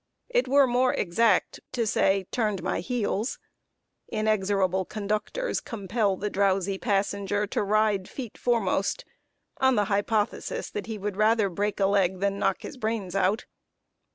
It were more exact to say, "turned my heels." Inexorable conductors compel the drowsy passenger to ride feet foremost, on the hypothesis that he would rather break a leg than knock his brains out.